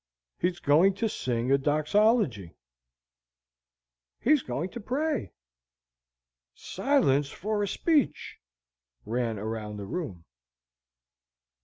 "He's going to sing a Doxology," "He's going to pray," "Silence for a speech," ran round the room.